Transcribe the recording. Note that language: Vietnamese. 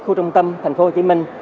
khu trung tâm tp hcm